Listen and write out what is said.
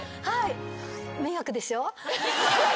はい。